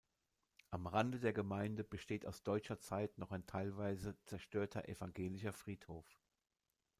Am Rande der Gemeinde besteht aus deutscher Zeit noch ein teilweise zerstörter evangelischer Friedhof.